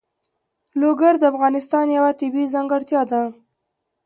لوگر د افغانستان یوه طبیعي ځانګړتیا ده.